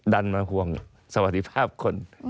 ดันมาห่วงสวัสดิภาพคน